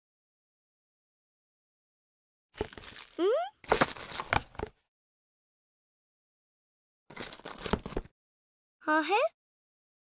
うん？はへ？